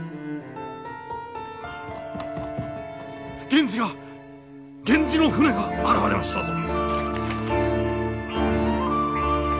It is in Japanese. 源氏が源氏の船が現れましたぞ！